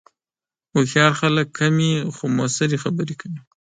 هوښیار خلک کمې، خو مؤثرې خبرې کوي